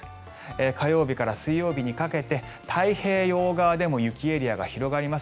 火曜日から水曜日にかけて太平洋側でも雪エリアが広がります。